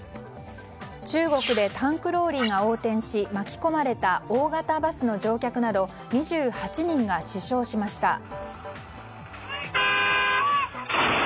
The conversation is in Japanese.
中国でタンクローリーが横転し巻き込まれた大型バスの乗客など２８人が死傷しました。